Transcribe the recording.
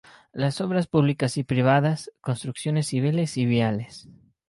Las Obras públicas y privadas, construcciones civiles y viales.